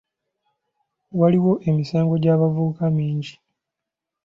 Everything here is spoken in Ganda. Waliwo emisango gy'abavubuka mingi.